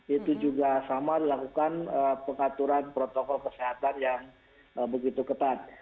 itu juga sama dilakukan pengaturan protokol kesehatan yang begitu ketat